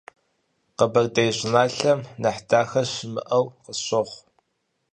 Къэбэрдей щӏыналъэм нэхъ дахэ щымыӏэу къысщохъу.